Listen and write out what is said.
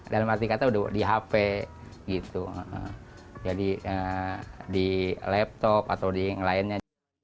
dalam arti kata di hp di laptop atau di lainnya